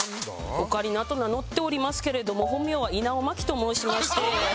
「オカリナ」と名乗っておりますけれども本名は「稲尾真季」と申しまして。